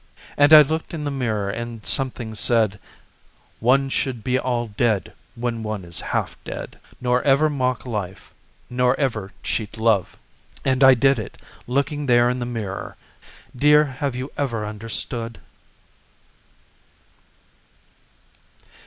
And I looked in the mirror and something said: "One should be all dead when one is half dead—" Nor ever mock life, nor ever cheat love." And I did it looking there in the mirror— Dear, have you ever understood?